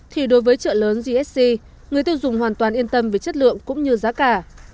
thì đối với trợ lớn gsc người tiêu dùng hoàn toàn yên tâm về chất lượng cũng như giá cả